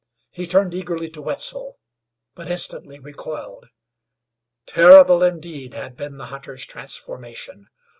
He turned eagerly to Wetzel; but instantly recoiled. Terrible, indeed, had been the hunter's transformation.